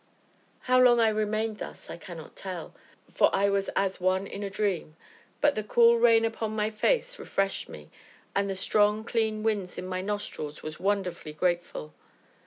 How long I remained thus I cannot tell, for I was as one in a dream, but the cool rain upon my face refreshed me, and the strong, clean wind in my nostrils was wonderfully grateful.